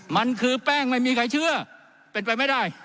มันคือแป้งไม่มีใครเชื่อเป็นไปไม่ได้